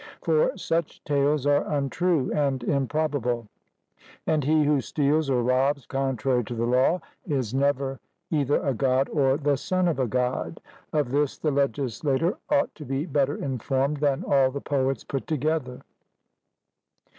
For such tales are untrue and improbable; and he who steals or robs contrary to the law, is never either a God or the son of a God; of this the legislator ought to be better informed than all the poets put together.